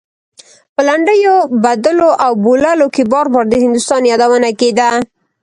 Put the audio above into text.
په لنډيو بدلو او بوللو کې بار بار د هندوستان يادونه کېده.